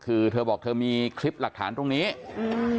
เออกูไม่ไปเนี้ย